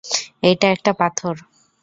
এইটা একটা পাথর।